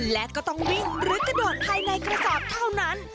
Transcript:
และก็ต้องวิ่งหรือกระโดดภายในกระสอบเท่านั้น